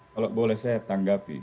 kalau boleh saya tanggapi